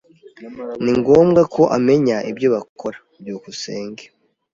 Ni ngombwa ko amenya ibyo bakora. byukusenge